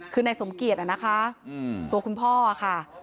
คือในสมเกียรตร์นะคะตัวคุณพ่อค่ะ